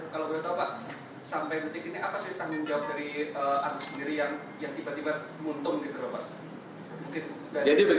kalau boleh tahu pak sampai menit ini apa sih tanggung jawab dari anda sendiri yang tiba tiba muntung